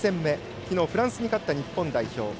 きのうフランスに勝った日本代表。